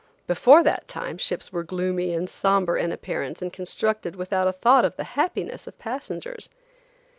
Before that time ships were gloomy and somber in appearance and constructed without a thought of the happiness of passengers.